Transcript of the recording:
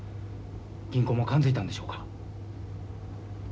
銀行も勘づいたんでしょうか？